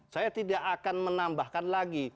saya tidak akan menambahkan lagi